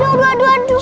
aduh aduh aduh